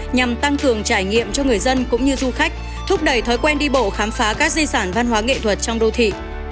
nhằm tăng cường trải nghiệm cho người dân cũng như du khách thúc đẩy thói quen đi bộ khám phá các di sản văn hóa nghệ thuật trong đô thị